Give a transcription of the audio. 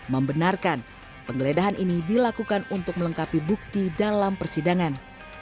membenarkan penggeledahan ini dilakukan untuk melengkapi bukti dalam persidangan